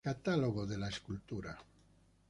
Catálogo de la Escultura".